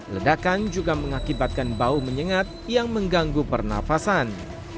ledakan juga mengakibatkan bau menyengat yang mengganggu pernafasan